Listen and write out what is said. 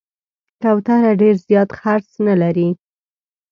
کوتره ډېر زیات خرڅ نه لري.